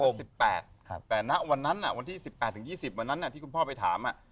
วันที่๑๘แต่วันนั้นวันที่๑๘ถึง๒๐วันนั้นที่คุณพ่อไปถาม